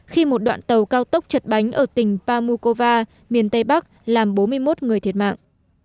khi một đoạn tàu cao tốc chật bánh ở tỉnh pamukova miền tây bắc làm bốn mươi một người thiệt mạng